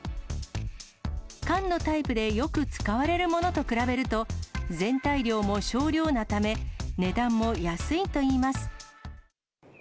缶のタイプでよく使われるものと比べると、全体量も少量なため、値段も安いといいます。